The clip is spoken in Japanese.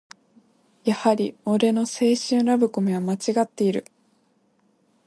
やはり俺の青春ラブコメはまちがっている